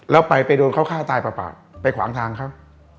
แล้วไปไปโดนเขาฆ่าตายปากไปขวางทางเขา